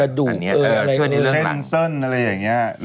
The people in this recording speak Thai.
กระดูกเส้นอะไรอย่างนี้